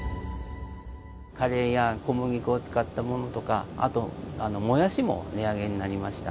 カレーや小麦粉を使ったものとか、あと、モヤシも値上げになりました。